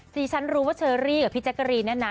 ทีชั้นรู้ว่าเชอรี่กับพี่แจ็กเกอรี่น่ะนะ